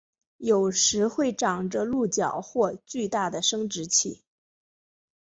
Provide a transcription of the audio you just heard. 有时会长着鹿角或巨大的生殖器。